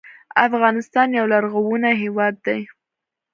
افغانستان یو لرغونی هیواد دی.